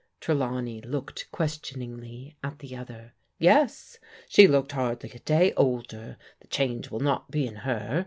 Trelawney looked questioningly at the other. " Yes. She looked scarcely a day older. The change win not be in her.